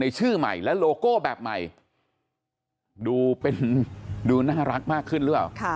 ชื่อใหม่และโลโก้แบบใหม่ดูเป็นดูน่ารักมากขึ้นหรือเปล่า